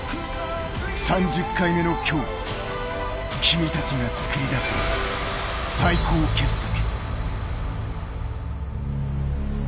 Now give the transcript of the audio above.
３０回目の今日君たちが作り出す最高傑作。